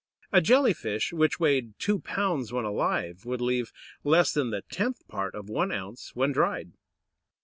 A Jelly fish, which weighed two pounds when alive, would leave less than the tenth part of one ounce when dried!